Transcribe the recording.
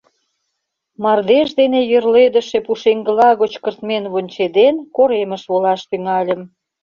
Мардеж дене йӧрледыше пушеҥгыла гоч кыртмен вончеден, коремыш волаш тӱҥальым.